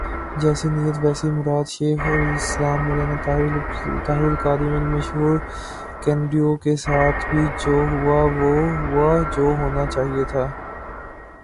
جیسی نیت ویسی مراد ، شیخ الاسلام مولانا طاہرالقادری المشور کینڈیوی کے ساتھ بھی جو ہوا ، وہی ہوا ، جو ہونا چاہئے تھا ۔